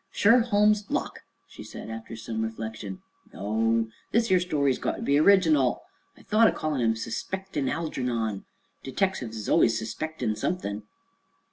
"Sherholmes Locke," she said after some reflection. "No; this 'ere story's got ter be original. I thought o' callin' him Suspectin' Algernon. Detectives is allus suspectin' something."